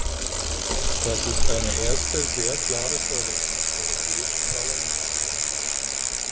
Das ist eine erste sehr klare Forderung des Europäischen Parlaments.